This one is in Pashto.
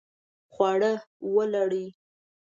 خواړه ولړئ